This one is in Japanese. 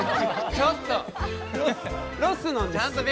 ちょっと！